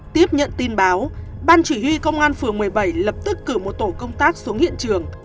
tiếp nhận tin báo ban chỉ huy công an phường một mươi bảy lập tức cử một tổ công tác xuống hiện trường